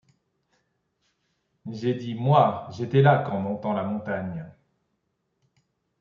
J’ai dit : moi !— J’étais là, quand, montant la montagne